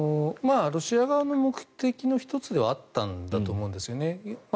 ロシア側の目的の１つではあったんだと思うんですよね。